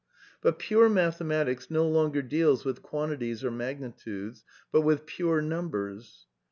But pure mathematics no longer deals with quantities or magni tudes, but with pure numbers.